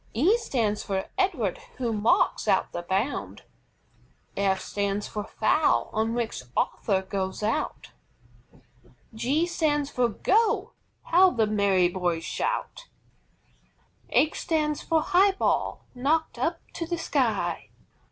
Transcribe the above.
E stands for EDWARD, who marks out the bound. F stands for FOUL on which Arthur goes out. G stands for "GO" How the merry boys shout! H stands for HIGH BALL, knocked up to the sky.